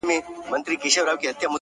گراني اوس دي سترگي رانه پټي كړه!!